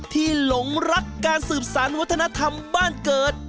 หลงรักการสืบสารวัฒนธรรมบ้านเกิด